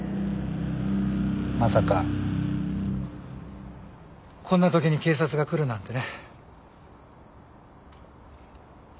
まさかこんな時に警察が来るなんてね。